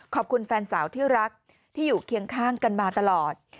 แฟนสาวที่รักที่อยู่เคียงข้างกันมาตลอด